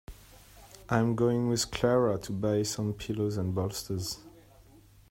I'm going with Clara to buy some pillows and bolsters.